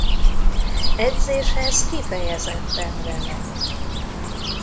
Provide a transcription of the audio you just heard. Edzéshez kifejezetten remek!